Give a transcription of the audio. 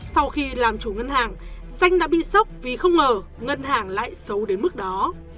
sau khi làm chủ ngân hàng xanh đã bị sốc vì không ngờ ngân hàng lại xấu đến mức đó